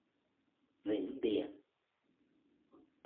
vĩnh biệt